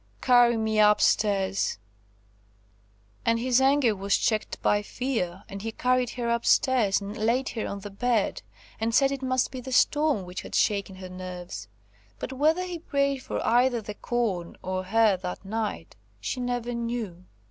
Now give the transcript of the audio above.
Carry me up stairs!" And his anger was checked by fear, and he carried her up stairs and laid her on the bed, and said it must be the storm which had shaken her nerves. But whether he prayed for either the corn or her that night, she never knew.